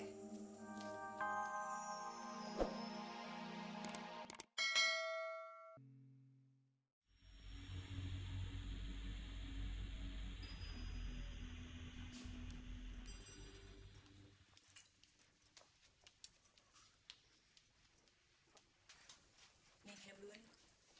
nih nanti gue beli